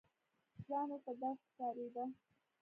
ځان ورته داسې ښکارېده.